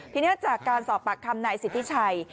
ทีนี้จากการสอบปากคำนายสิทธิชัย